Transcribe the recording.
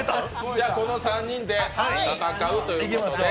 じゃあ、この３人で戦うということでいいですね。